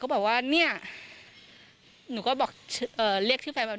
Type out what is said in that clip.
บอกว่าเนี่ยหนูก็บอกเรียกชื่อแฟนว่า